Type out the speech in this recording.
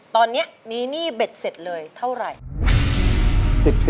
ตอนนี้มีหนี้เบ็ดเสร็จเลยเท่าไหร่